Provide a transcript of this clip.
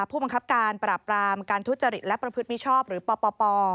ผู้บังคับการปราบปรามการทุจริตและประพฤติมิชชอบหรือปป